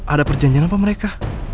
ada perjanjian apa mereka